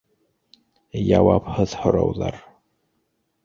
Яуапһыҙ һорауҙар.